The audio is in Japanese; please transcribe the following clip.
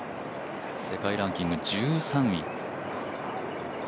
世界ランキング１３位。